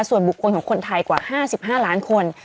ส่วนบุคคลของคนไทยกว่า๕๕ล้านคน